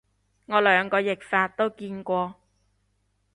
我兩個譯法都見過